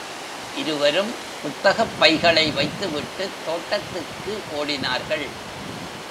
இருவரும் புத்தகப் பைகளை வைத்துவிட்டுத் தோட்டத்துக்கு ஓடினார்கள்.